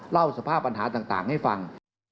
เล่าสภาพปัญหาต่างให้ฟัง